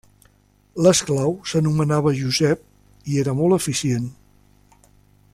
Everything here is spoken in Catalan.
L'esclau s'anomenava Josep i era molt eficient.